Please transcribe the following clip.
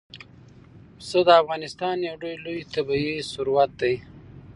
پسه د افغانستان یو ډېر لوی طبعي ثروت دی.